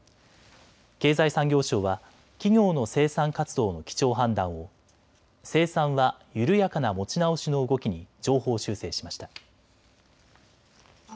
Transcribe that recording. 経済産業省は企業の生産活動の基調判断を生産は緩やかな持ち直しの動きに上方修正しました。